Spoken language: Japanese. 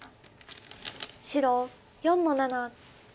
白４の七。